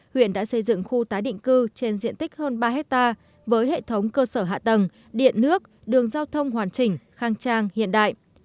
huyện đã xây dựng khu tái định cư trên diện tích hơn ba hectare với hệ thống cơ sở hạ tầng điện nước đường giao thông hoàn chỉnh khang trang hiện đại